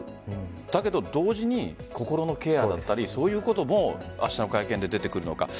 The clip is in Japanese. だけど、同時に心のケアだったりそういうことも明日の会見で出てくるのか。